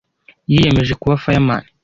Yiyemeje kuba fireman.